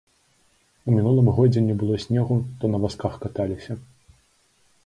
У мінулым годзе не было снегу, то на вазках каталіся.